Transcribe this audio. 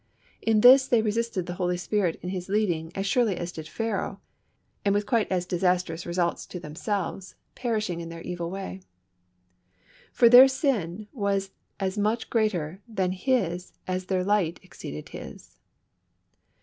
In this they resisted the Holy Spirit in His leadings as surely as did Pharaoh, and with quite as disastrous results to themselves, perishing in their evil way. For their sin was as much greater than his as their light exceeded his.